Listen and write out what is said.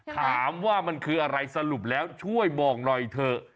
ถามว่ามันคืออะไรสรุปแล้วช่วยบอกหน่อยเถอะ